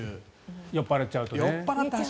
酔っぱらっちゃうとね。